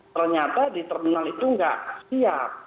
ternyata di terminal itu nggak siap